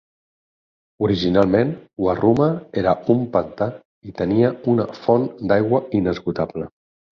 Originalment, Warruma era un pantà i tenia una font d'aigua inesgotable.